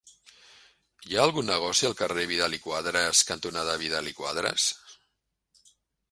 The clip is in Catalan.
Hi ha algun negoci al carrer Vidal i Quadras cantonada Vidal i Quadras?